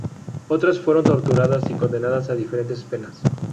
Otras fueron torturadas y condenadas a diferentes penas.